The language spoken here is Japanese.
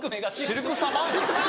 シルクサマンサ？